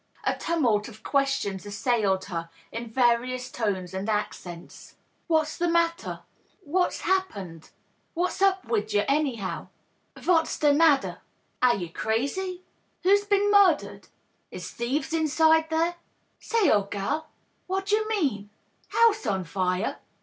A tumult of questions assailed her, in various tones and accents : "What's the matter?" "What's happened?" "What's up wid yer, annyhow?" " Vat's de madder?" " Are ye crazy ?"" Who's been murdered ^^ "Is thieves inside there f^ " Say, ole gal, Vat d'yer hiean Y* "House on fire?"